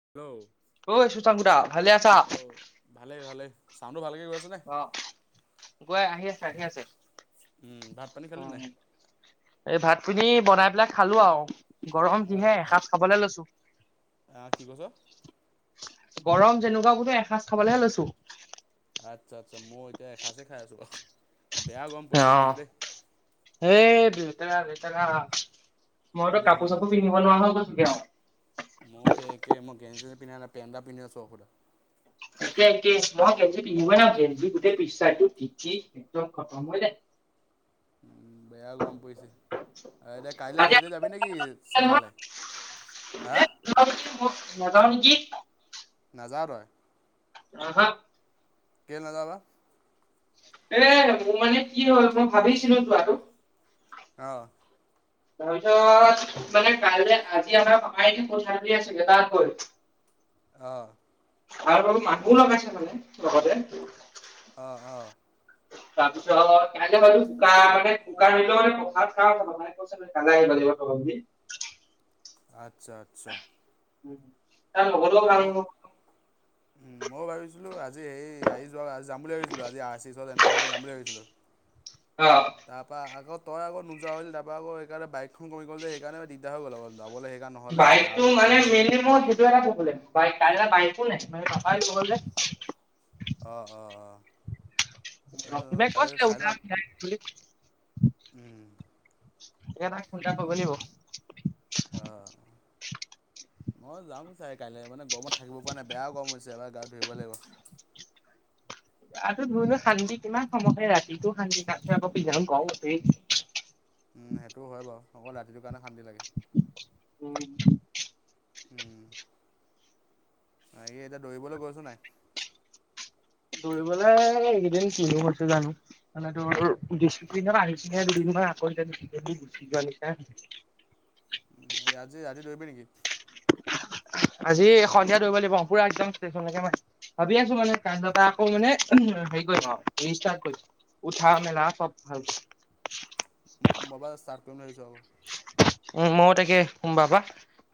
Hello অই সুচাংকু দা ভালে আছা ভালেই ভালেই চাউণ্ডটো ভালকৈ গৈ আছেনে? অ গৈ আহি আছে আহি আছে উম ভাত পানী খালি নাই তুমি বনাই পেলাই খালো আউ গৰম কিহে এ সাঁজ খাবলে লৈছো আহ কি কৈছ গৰম যেনেকুৱা বোলো এসাঁজ খাবলেহে লৈছো আচ্ছা আচ্ছা মউ এতিয়া এসাঁচ খাই আছো অ এই লেতেৰা লেতেৰা মইতো কাপোৰ চাপোৰ পিন্ধিব নোৱা হৈ গৈচু গে আউ মৌ সেই একেই মই গেঞ্জী পিন্ধা নাই পেণ্ট এটা পিন্ধি আছো অকলে একে একেই মই গেঞ্জী পিন্ধিব নোৱাও গেঞ্জী গোটেই পিছ ছাইট টো তিতি একদম খতম হৈ যায় উম বেয়া গৰম পৰিছে আ এতিয়া কাইলে আজি হেৰিলে যাবি নেকি চেঁচালে। হাআ নযাওঁ নিকি নাযাৱ তই আহ হা কেলে নাযাবা এ মোৰ মানে কি হ'ল মই ভাবিছিলো যোৱাটো আহঁ তৰপিছত মানে কাইলে আজি আমাৰ অহ হয় বাৰু মানু্হ লগাইছে মানে লগতে। আহ আহ। [unintelligible] [unintelligible] আচ্ছা আচ্ছা উম তাৰ লগৰ তো লগত [unintelligible] উম ময়ো ভাবিছিলো আজি সেই আহি যোৱা আজি যাম বুলি ভাবিছিলো আজি পিছত এনেকে আমি যাম বুলি ভাবিছিলো। অ তাৰ পৰা আগত তই আকৌ নোযোৱা হৈ তাৰপা আকৌ সেইকাৰণে বাইক খন কমি গ'ল যে সেইকাৰণে দিগদাৰ হৈ গ'ল অকমান। বাইকটো মানে মিনিমত সেইটো এটা প্ৰব্লেম বাইক কাইলে বাইকো নাই, পাপাই নিব অঁ অঁ অঁ। লক্ষি বাই কাইলৈ কচ ল চাই উত [unintelligible] লওঁ ফোন এটা কৰিলে কব লাগিব। অঁ মই যাম চাই কাইলৈ মানে গৰমত থাকিব পৰা নাই বেয়াও গৰম হৈছে এবাৰ গাৱত ধৰিব লাগিব গা টো ধুই নো শান্তি কিমান সময়ক ৰাতিটো শান্তি আকৌ পিন্ধা গম উঠেই উম সেইটো হয় বাৰু অকল ৰাতিটো কাৰণে শান্তি লাগে। উঠেই উম এই এতিয়া দৌৰিবলৈ গৈছ নাই? দৌৰিবলে এইকদিন কিনো হৈছে জানো মানে টোৰ দিছিপ্লিনত আহিচেহে দুদিন ই আকৌ যদি গুচি যোৱা নিচনাই হৈছে [inaudible] আজি ৰাতি দৌৰিবি নেকি? আজি সন্ধিয়া দৌৰিব লাগিব। পুৰা একদম ষ্টেচনকে ম ভাবি আছো মানে কজাপা আকৌ মানে হেৰি কৰিম আও, ৰিষ্টাৰ্ত কৰিম। উঠা মেলা সব ভালকে। মই সোমবা পা ষ্টাৰ্ত কৰিম বুলি ভাবিছোঁ আকৌ ময়ো তাকে সোমবা পৰা।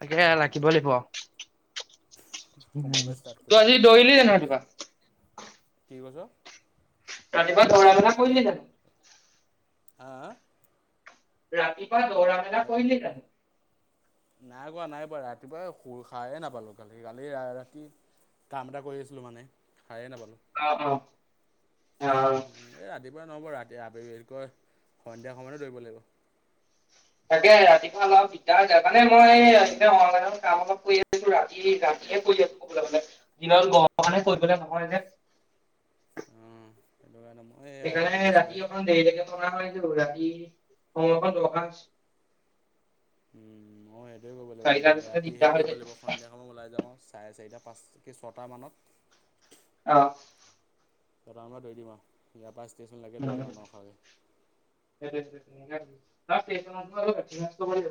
তাকে ৰাখিব অঁ লাগিব আও। সোমবাৰৰ উ পৰা ষ্টাৰ্ট কৰিব তো আজি লাগিব দৌৰিলি জানো ৰাতিপুৱা? কি কৈছ? ৰাতিপুৱা দৌৰা মেলা কৰিলি জানো? হ? ৰাতি পা দৌৰা মেলা কৰিলি জানো? নাই কোৱা নাই বোৱা ৰাতিপুৱা শ খাইে নাপালো কালি কালি ৰাতি কাম এটা কৰি আছিলো মানে সাৰে নাপালো। অ অ অ উ এ ৰাতিপুৱা নহব ৰাতি আবে কৈ সন্ধিয়া সময়ত দৰিব লাগিব। তাকে ৰাতিপুৱা অলপ দিগদাৰ যায় মানে মই এ সমৰ কাম অলপ কৰি আহছো ৰাতি ৰাতিয়ে- কৰী আছো কবলে গলে, দিনত গৰমৰ কাৰনে কৰিবলে নহয় যে। উম। সেইকাৰণে ৰাতি অখন দেৰিলৈকে থকা হয়তো ৰা [unintelligible] উম অ সেইটোয়ে কৰিব লাগিব চাৰিটা মানে নিচিনা দিগদাৰ ৰাতিহে হৈ দৰিব যায় লাগিব সন্ধিয়া সমত ওলাই যা চাৰে চাৰিটা পাঁচকৈ ছটামানত। অ। তই দৌৰি দিম আও, ইয়াৰ পৰা ষ্টেচনলৈকে ধৰি দিম আ [unintelligible]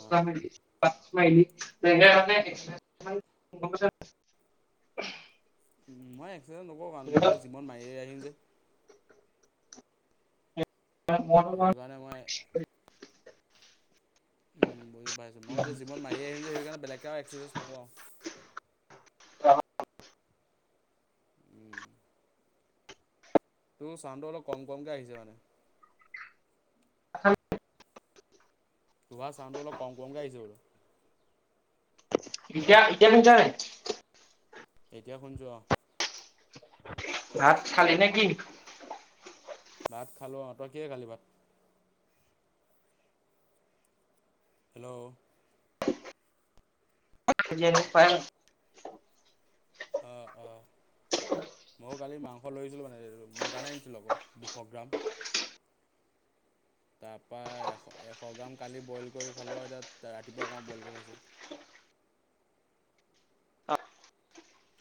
অঁ [unintelligible] [unintelligible] মই এক্সিডেণ্ট নকৰোঁ কাৰণ মই এতিয়া যিমান মাৰি আহিম যে। সেইটো কাৰণে মই উম বুজি পাইছো মই যিমত মাৰি আহিম যে সেইকাৰণে বেলেগে আৰু এক্ৰচাইজ নক অ তোৰ চাউনটো অলপ কম কমকে আহিছে মানে তোমাৰ চাওঁ তো অলপ কম কমকে আহিছে বোলো এতিয়া এতিয়া পঞ্চ নাই এতিয়া শুনিছো। ভাত খালি নেকি? ভাত খালো অঁ তই কি হে খালি ভাত হেল্ল' যেনে পাই মই কালি মাংস লৈছিলোঁ মানে মোৰ কাৰণে আনিছিলোঁ অকল দুশ গ্ৰাম তাৰ পৰা এশ এশ গ্ৰাম কালি বইল কৰি খালো আৰু এতিয়া ৰাতিপুৱা অকই বইল কৰি খাইছো [inaudible]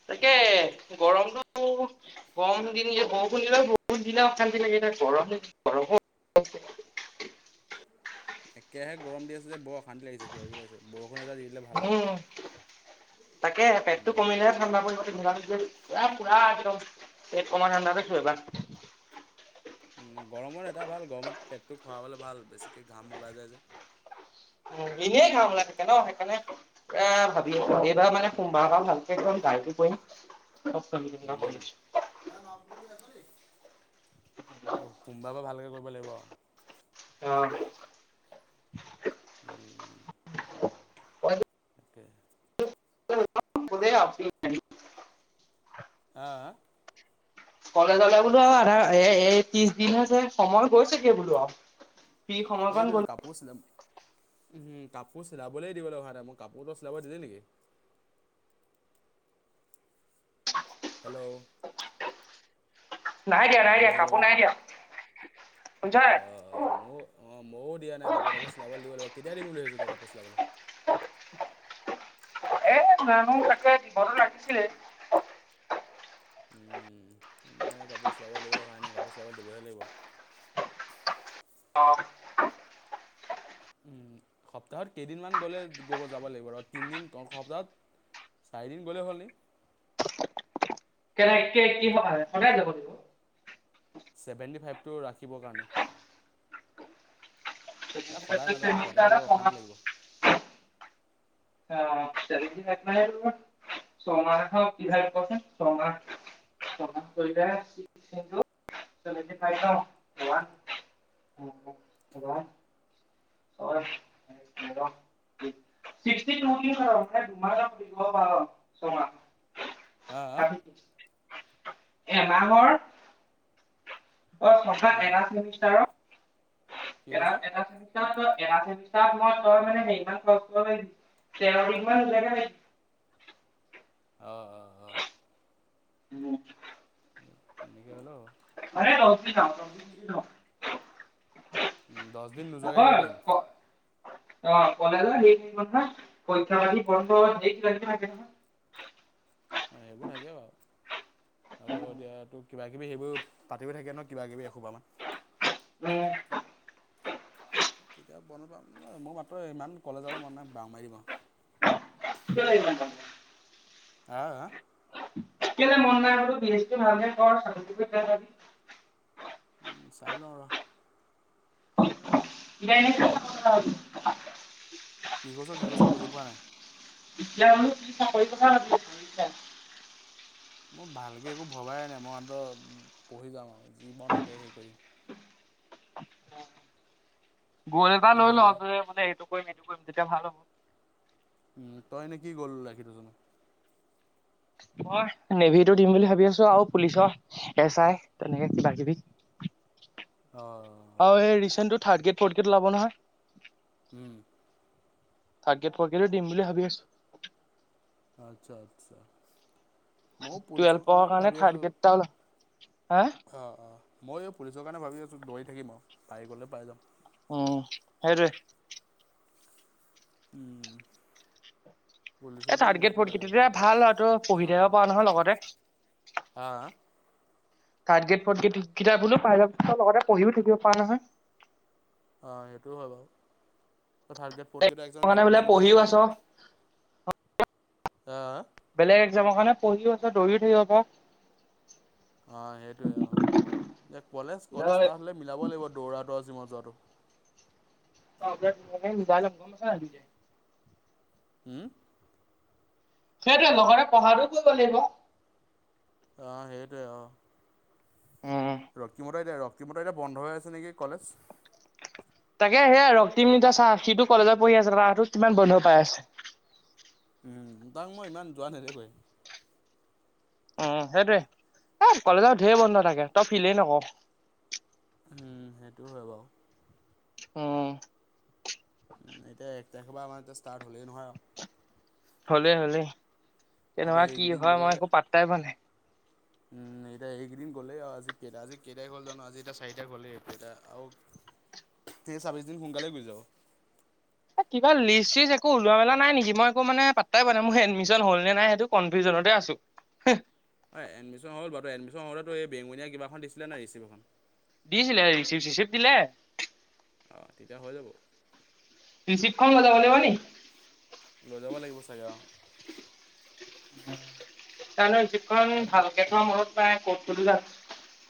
তাকে গৰমটো গৰম দিন বৰষুণিলৈ বহুত দিনা অশান্তি লাগে এতিয়া গৰম গৰমো হয় একে গৰম দি আছে যে বৰ অশান্তি লাগিছে কিয় কি লাগিছে বৰ উম তাকে পেটতটো কমিলেহে ঠাণ্ডা পৰিবতে মিলা ম এ পুৰা একদম এই কমা ধান্দা দে চুবা গৰমত এটাই ভাল গৰমত পেটটো খোৱাবলৈ ভাল বেছিকৈ ঘাম ওলাই যায় যে উ এনে ঘাম ওলাই থাকে ন সেইকাৰণে এ ভাবি আছো সেইবাৰ মানে সোমবাৰ ভালকে কম গাইকটো কৰিম [unintelligible] সোমবাৰ পৰা ভালকে কৰিব লাগিব। অ উম তাকে গ'লেই আৰু হ কলেজলে বোলো আৰু আধা এ এই ত্ৰিশ দিন হৈছে সময় গৈছেগে বোলো আৰু ফ্ৰী সময়কণ এইটো গ'ল কাপোৰো চিলালো উমম কাপোৰ চিলাবলৈ দিবলৈ হা নাই মই কাপোৰটো চিলাব দিলি নেকি হেল্ল' নাই দিয়া নাই দিয়া কাপোৰ নাই দিয়া শুনিছা নাই অ অ ময় অ ময়ো দিয়া নাই কাপোৰ তাকে চিলাবলৈ দিব ল কি দাই দিম বুলি ভাবিছ তই কাপোৰ চিলাবলে এ মানুহ তাকে দিবন ৰাখিছিলে উম মই কাপোৰ চিলাব লাগিবলৈ অ হ নাই কাপোৰ চিলাব দিবহে লাগিব অ উম সপ্তাহত কেইদিনমান গ'লে গব যাব লাগিব ৰ তিনদিন সপ্তাহত চাৰিদিন গ'লে হ'লনি কেনে একে সদায় যাব লাগিব। ছেভেন্টি ফাইভটো ৰাখিবৰ কাৰণে। এ সদায় নাযাওঁ সদায় গৈ অশান্তি লাগিব। [unintelligible] আ চেভেনতি ফাইভ মানে ছমা খা কিহাল পথ চমা [unintelligible] হব [unintelligible] তি হা হা এমাহৰ- অ' [unintelligible] কি কৈছ? [unintelligible] [unintelligible] অ অ অ। উম। এনেকে ল। [unintelligible] উম। দচ দিন নোযোৱাকৈ থাকিব পাৰিম। আকৌ অ কলেজৰ সেইখিনি কথা। পৰীক্ষা পাতি বন্ধ, ধেই কিবা কিবি হৈ আছে নহয়। অ সেইবোৰ থাকে বাৱ। আকৌ এতিয়া তোক কিবা কিবি সেইবোৰ পাতিও থাকে ন কিবাকিবি এসোপামান। উম তেতিয়া ব মই মাত্ৰ ইমান কলেজ যাবলে মন নাই। বাং মাইদিম আৱ। [unintelligible] আ আ। [unintelligible] উম চাই লওঁ ৰহ। [unintelligible] কি কৈছ কি কৈছ বুজি পোৱা নাই? এতিয়া আমি কি চাকৰি কথা ভাবি আছিলো এতিয়া? মই ভালকে একো ভবাই নাই মই মাত্ৰ পঢ়ি যাম আও যি পাওঁ তাকে হেই কৰিম। গল এটা লৈ পিছলে লওঁ। তই মানে এইটো কৰিম এইটো কৰিম। তেতিয়া ভাল হ'ব। উম তই এনে কি গ'ল ৰাখি থৈছ নো? মই নেভিটো দিম বুলি ভাবি আছো আও পুলিচ এছ আই। তেনেকে কিবা কিবি। অ। আৰু ৰিচেণ্টো থাৰ্ডগেট -ফৌৰ্থগেট ওলাব নহয়। উম। থাৰ্ডগেট ফৌৰ্থগেটো দিম বুলি ভাবি আছো। আচ্ছা আচ্ছা। মও পুলিচৰ টুৱেলভৰ কাৰণেটো কাৰণে ভাবি থাৰ্ড আছো। গ্ৰেড এটা ওলা হা অ অ মইও পুলিচৰ কাৰণে ভাবি আছো। দৌৰি থাকিম আৱ। পাই গলে পাই যাম। উম। হেটোৱে। উম। থাৰ্ডগেট ফৌৰ্থগেটতিয়া ভাল আও ট। পঢ়ি ভাল থাকিব পাঅ মানে নহয় লগতে। হা হা থাৰ্ডগেট ফৌৰ্থগেটো কিতাপবোলো পাই যাবা লগতে পঢ়িও থাকিব পৰা নহয়। অ সেইটোও হয় বাও। Third grade for grade exam দি কাৰণে দিম বোলে বুলি পঢ়িও ভাবিছ আছ নেকি? আহ। বেলেগ এক্জামৰ কাৰণে পঢ়িও আছ, দৌৰিও থাকিব পাৰ। অ সেইটোয়ে অ। এ কলেজ কলেজ তাহ হলে মিলাব লাগিব দৌৰাটো আৰু আজি মই যোৱাটো। [unintelligible] গম পাইছ নাই দুইটাই? উম। সেইটোৱে লগতে পঢ়াটো কৰিব লাগিব। অ সেইটোৱে অ। উম ৰক্তিমৰ ত এতিয়া ৰক্তিমৰ এতিয়া বন্ধ হৈ আছে নেকি কলেজ? এ সেয়া ৰক্তিম এতিয়া চা। সিটো কলেজত পঢ়ি আছে। মাহটোত কিমান বন্ধ পাই আছে। উম। তাক মই ইমান যোৱা নেদেখুৱে। উম সেইটোৱে। এ কলেজৰ ধেৰ বন্ধ থাকে। তই ফিলেই নক। উম সেইটো হয় বাওঁ। অহ। উ। এতিয়া এক তাৰিখ পৰা আমাৰ এয়া ষ্টাৰ্ট হলেই নহয় আৱ। হ'লেই হলেই। কেনেকুৱা কি এইকেইদিন হয় মই গ'লে একো পাতটাই পোৱা নাই। উম। এতিয়া এইকেইদিন গলেই আও। আজি কেতা আজি কেটাইখ হ'ল জানো। আজি এ চাৰিটা হ'লে সটো এটা আও তে ছাব্বিশ দিন সোনকালে গুচি যাব এ কিবা লিষ্ট চিচ একো ওল মেল নাই নেকি মই একো মানে পাতাই পোৱা নাই মোৰ এডমিচন হল নাই সেইটো কনিফিওজন তে আছো এই এডমিশ্যন হ'ল বাৰু এমিশ্যন হ'লেতো এই বেঙনীয়া কিবাখনছিলে নে ৰিচিপ্ এখন ডিচিলে ৰিচিপ দিলে অঁ তেতিয়া হৈ যাব। ঋচিভ খন লৈ যাব লাগিব নি- লৈ যাব লাগিব। চাগে ত যখন তাত গৈ ভালকে থোৱা মনৰত- পাই ক'ত যা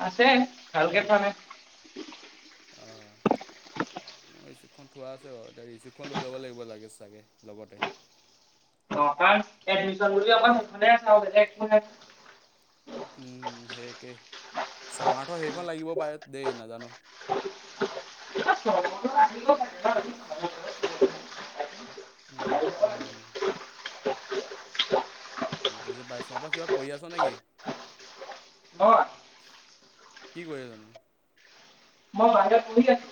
আছে ভালকে খালে। অঁ অ ৰিচখন থোৱা আছে ব এ ৰিচিকখন লৈ যাব লাগিব লাগে চাগে লগতে- কাৰণ এডমিশন কৰি আমাৰ সেইখনে উম সেই একেই চামাৰৰ সেইখন লাগিব পায়। দে ন জানো। [unintelligible] উম উম বুজি পাইছ ন তৰা কিবা কৰি আছ নেকি? কি কৰিছোনো। মই ভানদত পি আছো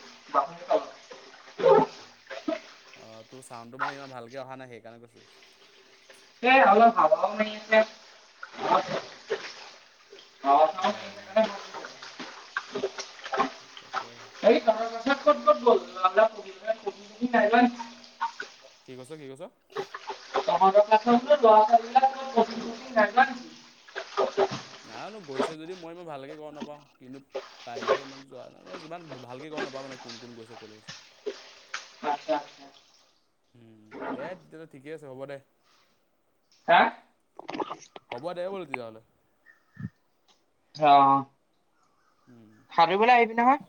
আহ তোৰ চাউণ্ডটো মানে ইমান ভালকে অহা নাই সেইকাৰণে কৈছো। অল ভাবাও ন আছে। চাৱা মাৰি আছে কাৰণে আহ তাকে এই'ত নাই ম কি কৈছ কি কৈছ- [unintelligible] নানো গৈছে যদি মই মই ভালকে গম নাপাওঁ কিন্তু পাই গিৰে ইমান যোৱাাই ইমান ভালকে গম নাপাওঁ মানে কোন কোন গৈছে কলে আচ্ছা আচ্ছা উম দে তেতিয়াহ'লে ঠিকে আছে হ'ব দে হা অঁ হ'ব দে বছনেলে উম সালুৰিবলৈ আহিবি নহয়